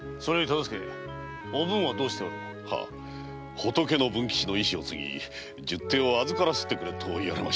“仏の文吉”の遺志を継ぎ十手を預からせてくれと言われ。